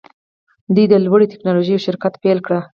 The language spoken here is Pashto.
دوی د لوړې ټیکنالوژۍ یو شرکت پیل کړ